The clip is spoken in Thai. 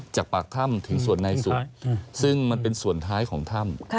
จากปากถ้ำถึงส่วนในศุกร์ซึ่งมันเป็นส่วนท้ายของถ้ำ